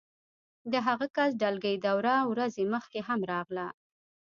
د هغه کس ډلګۍ دوه ورځې مخکې هم راغله